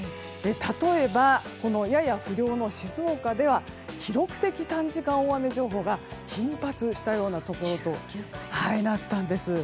例えば、やや不良の静岡では記録的短時間大雨情報が頻発したようなところとなったんです。